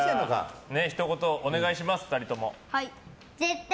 ひと言お願いします、２人とも。